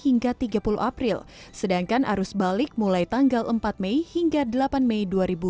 hingga tiga puluh april sedangkan arus balik mulai tanggal empat mei hingga delapan mei dua ribu dua puluh